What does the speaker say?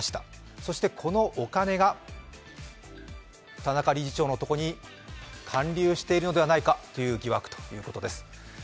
そしてこのお金が田中理事長のところに環流しているのではないかという疑惑です。